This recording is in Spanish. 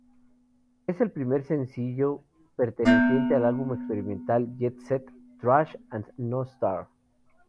Es el primer sencillo perteneciente al álbum Experimental Jet Set, Trash and No Star.